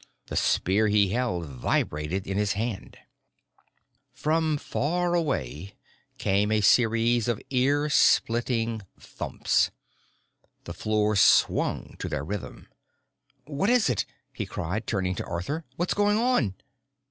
The spear he held vibrated in his hand. From far away came a series of ear splitting thumps. The floor swung to their rhythm. "What is it?" he cried, turning to Arthur. "What's going on?"